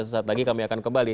sesaat lagi kami akan kembali